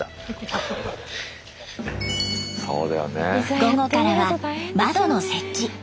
午後からは窓の設置。